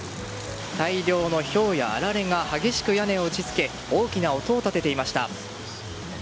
大量のひょうやあられが激しく屋根を打ち付け大きな音を立てていました。